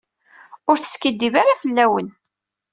Ur teskiddib ara fell-awen.